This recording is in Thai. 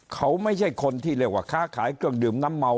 เขาไม่ใช่คนที่เรียกว่าค้าขายเครื่องดื่มน้ำเมา